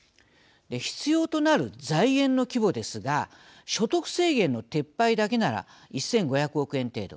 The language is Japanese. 必要となる財源の規模ですが所得制限の撤廃だけなら１５００億円程度。